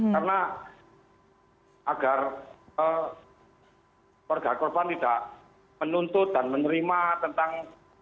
karena agar perga korban tidak menuntut dan menerima tentang